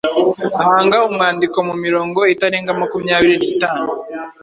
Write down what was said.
Hanga umwandiko mu mirongo itarenga makumyabiri n’itanu